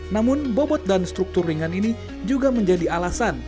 namun bobot dan struktur ringan ini juga menjadi alasan